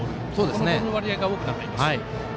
この割合が多くなっています。